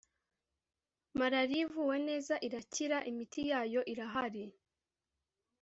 marariya ivuwe neza irakira; imiti yayo irahari.